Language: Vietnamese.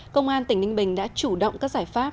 công an tỉnh ninh bình đã chủ động các giải pháp